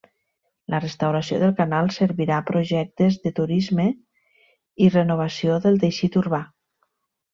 La restauració del canal servirà projectes de turisme i renovació del teixit urbà.